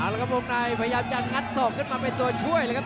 แล้วครับวงในพยายามจะงัดศอกขึ้นมาเป็นตัวช่วยเลยครับ